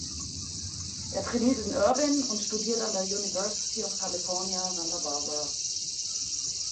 Er trainiert in Irvine und studiert an der University of California, Santa Barbara.